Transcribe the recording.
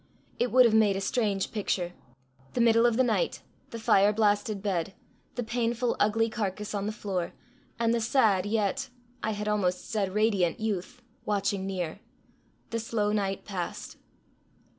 It would have made a strange picture: the middle of the night, the fire blasted bed, the painful, ugly carcase on the floor, and the sad yet I had almost said radiant youth, watching near. The slow night passed.